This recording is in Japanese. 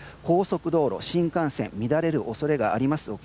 高速道路、新幹線乱れる恐れがあります。